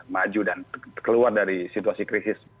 maju dan keluar dari situasi krisis